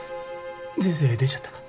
ゼゼ出ちゃったか？